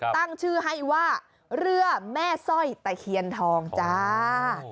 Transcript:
ตั้งชื่อให้ว่าเรือแม่สร้อยตะเคียนทองจ้า